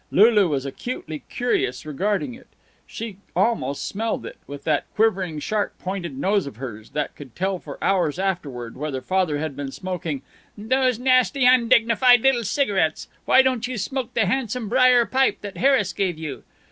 Lulu was acutely curious regarding it; she almost smelled it, with that quivering sharp pointed nose of hers that could tell for hours afterward whether Father had been smoking "those nasty, undignified little cigarettes why don't you smoke the handsome brier pipe that Harris gave you?"